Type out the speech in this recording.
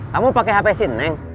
kamu pake hp sini neng